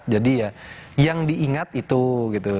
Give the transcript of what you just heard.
jadi ya yang diingat itu gitu